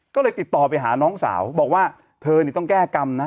ก็เลยติดต่อไปหาน้องสาวบอกว่าเธอต้องแก้กรรมนะ